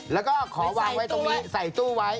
แล้วก็ขอวางไว้ตรงนี้ใส่ตู้ไว้